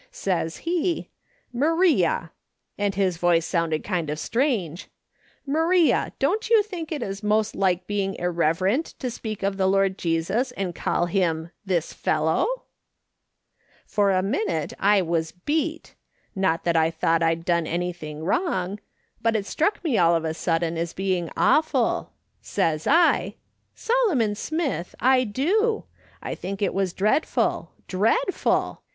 Says he : "'Maria' — and his voice sounded kind of strange —' ^laria, don't you think it is most like being irreverent to speak of the Lord Jesus and call him " this fellow" V " For a minute I was beat ; not that I thought I'd done anything wrong ; but it struck me all of a sudden as being awful. Says I :"' Solomon Smith, I do. I think it was dread ful ! dreadful